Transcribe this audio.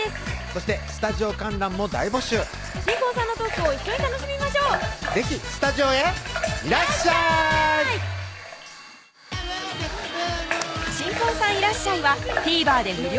そしてスタジオ観覧も大募集新婚さんのトークを一緒に楽しみましょう是非スタジオへいらっしゃい新婚さんいらっしゃい！はＴＶｅｒ